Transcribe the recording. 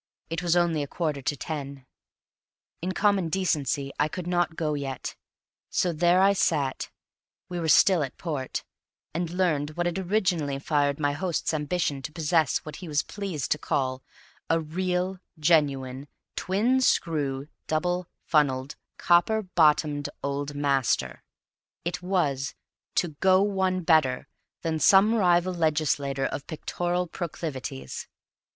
It was only a quarter to ten. In common decency I could not go yet. So there I sat (we were still at port) and learnt what had originally fired my host's ambition to possess what he was pleased to call a "real, genuine, twin screw, double funnelled, copper bottomed Old Master"; it was to "go one better" than some rival legislator of pictorial proclivities.